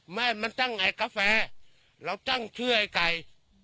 ไม่มันตั้งไอ้กาแฟเราตั้งชื่อไอ้ไก่